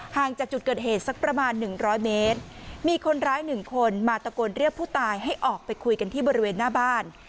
จากจุดเกิดเหตุสักประมาณ๑๐๐เมตรมีคนร้ายหนึ่งคนมาตะโกนเรียกผู้ตายให้ออกไปคุยกันที่บริเวณหน้าบ้าน